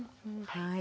はい。